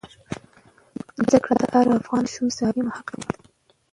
زده کړه د هر افغان ماشوم مسلم حق دی.